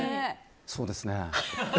そうですね。